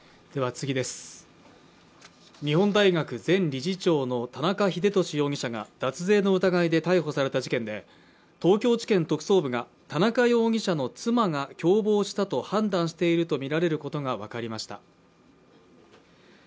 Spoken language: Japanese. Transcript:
日本大学前理事長の田中英寿容疑者が脱税の疑いで逮捕された事件で、東京地検特捜部が田中容疑者の妻が共謀したと判断しているとみられることが分かりました。